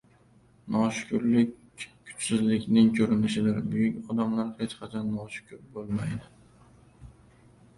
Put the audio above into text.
Noshukrlik kuchsizlikning ko‘rinishidir. Buyuk odamlar hech qachon noshukr bo‘lmaydi.